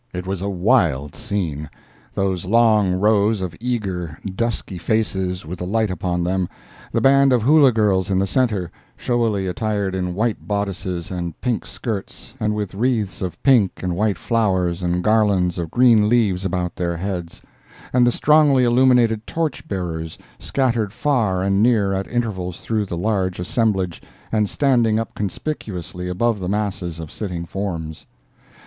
It was a wild scene—those long rows of eager, dusky faces, with the light upon them, the band of hula girls in the center, showily attired in white bodices and pink skirts, and with wreaths of pink and white flowers and garlands of green leaves about their heads; and the strongly illuminated torch bearers scattered far and near at intervals through the large assemblage and standing up conspicuously above the masses of sitting forms.